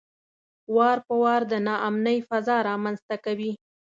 وار په وار د ناامنۍ فضا رامنځته کوي.